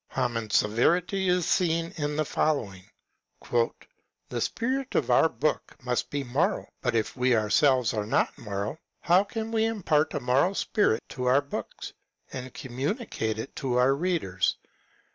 Hamann's severity is seen in the following :The spirit of our book must be moral ; but if we ourselves are not moral, how can we impart a moral spirit to our books, and communicate it to our readers